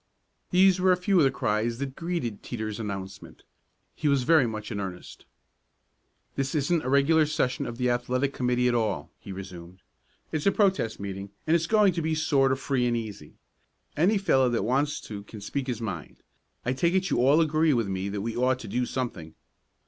These were a few of the cries that greeted Teeter's announcement. He was very much in earnest. "This isn't a regular session of the athletic committee at all," he resumed. "It's a protest meeting, and it's going to be sort of free and easy. Any fellow that wants to can speak his mind. I take it you all agree with me that we ought to do something."